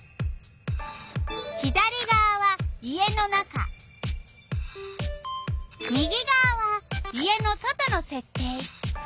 左がわは家の中右がわは家の外のせっ定。